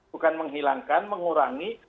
bukan menghilangkan mengurangi